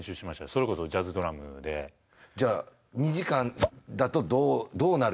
それこそジャズドラムでじゃあ２時間だとどうどうなる？